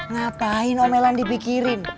ngapain omelan dipikirin